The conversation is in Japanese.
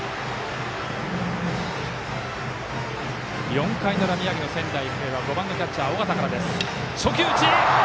４回の裏、宮城の仙台育英５番のキャッチャー尾形からです。